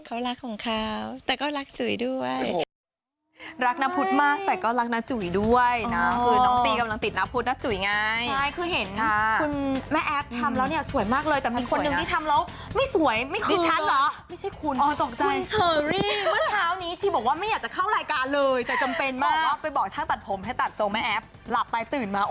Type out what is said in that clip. เขารักของเขาแต่ก็รักจุ๋ยด้วย